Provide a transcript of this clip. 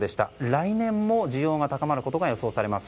来年も需要が高まることが予想されます。